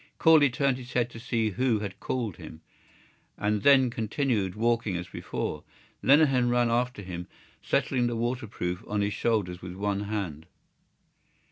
Corley turned his head to see who had called him, and then continued walking as before. Lenehan ran after him, settling the waterproof on his shoulders with one hand.